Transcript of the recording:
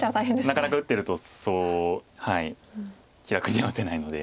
なかなか打ってるとそう気楽には打てないので。